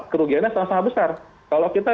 kerugiannya sangat sangat besar kalau kita